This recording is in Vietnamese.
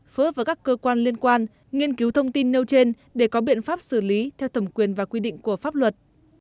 phối hợp với các cơ quan liên quan nghiên cứu thông tin nêu trên để có biện pháp xử lý theo thẩm quyền và quy định của pháp luật